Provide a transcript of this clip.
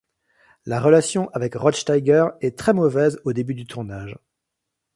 La relation avec Rod Steiger est très mauvaise au début du tournage.